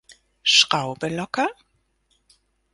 Schraube locker?